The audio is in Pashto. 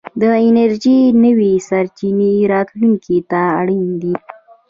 د انرژۍ نوې سرچينې راتلونکي ته اړين دي.